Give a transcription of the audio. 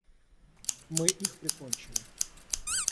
Мы их прикончили.